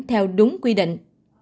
theo đúng quy định